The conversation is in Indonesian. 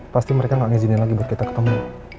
pasti mereka gak ngizinin lagi buat kita ketemu